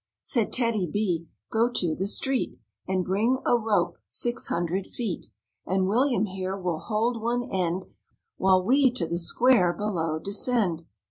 Said TEDDY B, "Go to the street And bring a rope six hundred feet And William here will hold one end While we to the square below descend."